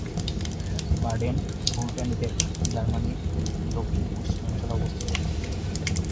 Baden-Württemberg জার্মানির দক্ষিণ-পশ্চিমাঞ্চলে অবস্থিত।